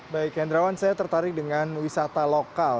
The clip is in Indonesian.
baik hendrawan saya tertarik dengan wisata lokal